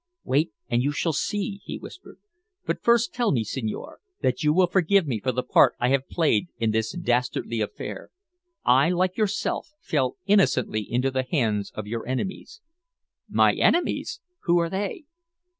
"Wait, and you shall see," he whispered. "But first tell me, signore, that you will forgive me for the part I have played in this dastardly affair. I, like yourself, fell innocently into the hands of your enemies." "My enemies! Who are they?"